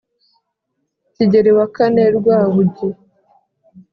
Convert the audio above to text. kigeli wa kane rwabugi